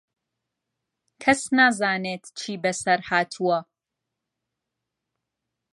کەس نازانێت چی بەسەر هاتووە.